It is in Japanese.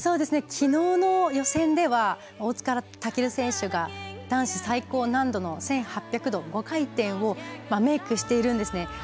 昨日の予選では大塚健選手が男子最高難度の１８００度、５回転をメイクしているんですね。